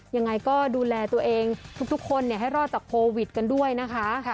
ยังไงก็ดูแลตัวเองทุกคนให้รอดจากโควิดกันด้วยนะคะ